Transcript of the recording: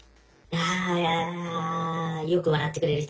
「あよく笑ってくれる人？」。